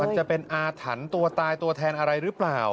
มันจะเป็นอาถรรพ์ตัวตายตัวแทนอะไรหรือเปล่า